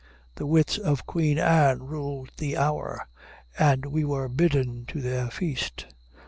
The wits of Queen Anne ruled the hour, and we were bidden to their feast.